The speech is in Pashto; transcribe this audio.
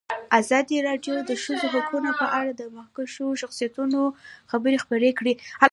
ازادي راډیو د د ښځو حقونه په اړه د مخکښو شخصیتونو خبرې خپرې کړي.